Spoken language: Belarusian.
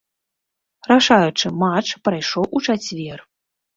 Рашаючы матч прайшоў у чацвер.